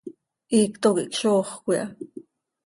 Hiicto quih czooxöc iha.